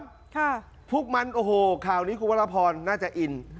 ค่ะพวกมันโอ้โหข่าวนี้คุณวรพรน่าจะอิน